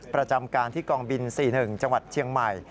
ประจำการที่กองบิน๔๑จังหวัดเชียงใหม่